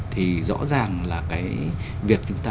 thì rõ ràng là cái việc chúng ta